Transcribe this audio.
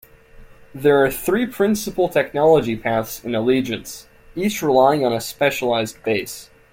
There are three principle technology paths in Allegiance, each relying on a specialized base.